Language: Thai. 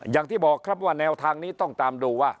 อย่างที่บอกครับว่าแนวทางนี้ต้องตามดูว่า